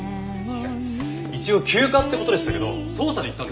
いや一応休暇って事でしたけど捜査で行ったんですよ。